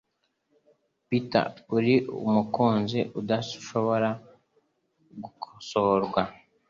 Peter, uri umukunzi udashobora gukosorwa!